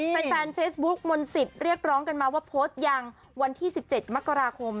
แฟนเฟซบุ๊คมนต์สิทธิ์เรียกร้องกันมาว่าโพสต์ยังวันที่๑๗มกราคม